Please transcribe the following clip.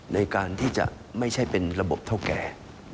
ในการที่จะไม่ใช่เป็นระบบเท่าแก่